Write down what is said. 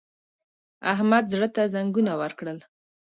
احمد زړه ته زنګنونه ورکړل!